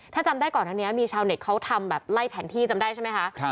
ถ้าจำได้ก่อนอันนี้มีชาวเน็ตเขาทำแบบไล่แผนที่จำได้ใช่ไหมคะ